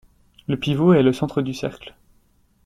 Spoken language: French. Le pivot est le centre du cercle.